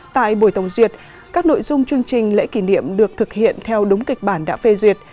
tại buổi tổng duyệt các nội dung chương trình lễ kỷ niệm được thực hiện theo đúng kịch bản đã phê duyệt